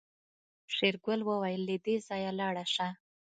شېرګل وويل له دې ځايه لاړه شه.